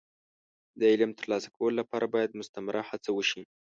د علم د ترلاسه کولو لپاره باید مستمره هڅه وشي.